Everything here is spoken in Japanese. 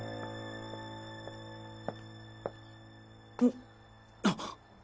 んあっ！